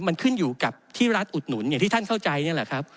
มันขึ้นอยู่กับที่รัฐอุดหนุนอย่างที่ท่านเข้าใจนี่แหละครับ